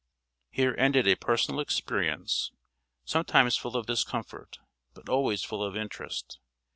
Here ended a personal experience, sometimes full of discomfort, but always full of interest.